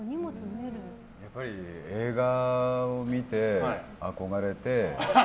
やっぱり、映画を見て憧れて。